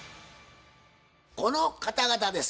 この方々です。